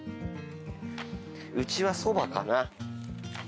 うちはそばかな。